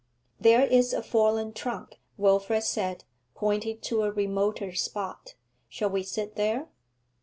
'There is a fallen trunk,' Wilfrid said, pointing to a remoter spot. 'Shall we sit there?'